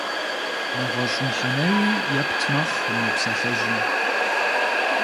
НэгъуэщӀ мыхьэнэи епт мэхъу мы псалъэжьым.